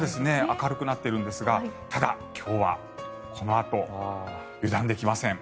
明るくなってるんですがただ、今日はこのあと油断できません。